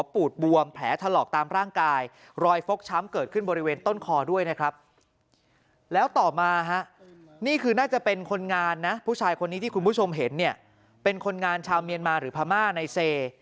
ผู้ชายคนนี้ที่คุณผู้ชมเห็นเป็นคนงานชาวเมียนมาหรือพม่าในเซ